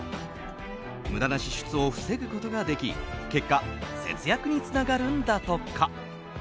無駄な支出を防ぐことができ結果、節約につながるんだとか。